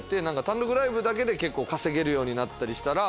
単独ライブだけで稼げるようになったりしたら。